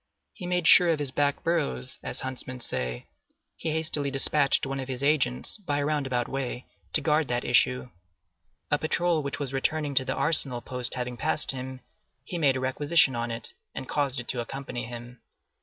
He made sure of his back burrows, as huntsmen say; he hastily despatched one of his agents, by a roundabout way, to guard that issue. A patrol which was returning to the Arsenal post having passed him, he made a requisition on it, and caused it to accompany him.